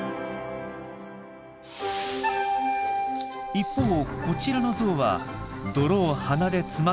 一方こちらのゾウは泥を鼻でつまみ上げ